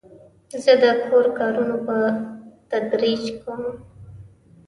زه د کور کارونه په تدریج کوم.